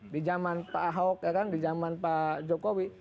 di zaman pak ahok di zaman pak jokowi